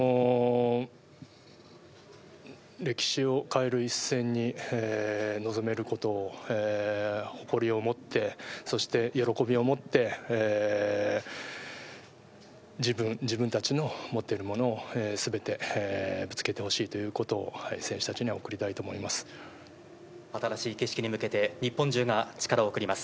歴史を変える一戦に臨めることを誇りをもってそして喜びをもって自分たちの持っているものを全てぶつけてほしいということを新しい景色に向けて日本中が力を送ります。